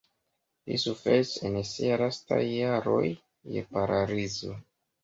Li suferis en siaj lastaj jaroj je paralizo.